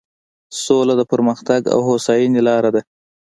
سوله د پرمختګ او هوساینې لاره ده.